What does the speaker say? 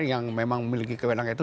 yang memang memiliki kewenangan itu